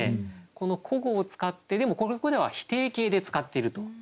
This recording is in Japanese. この古語を使ってでもここでは否定形で使っていると。